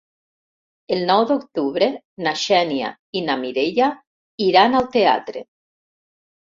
El nou d'octubre na Xènia i na Mireia iran al teatre.